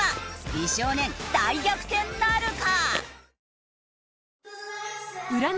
美少年大逆転なるか？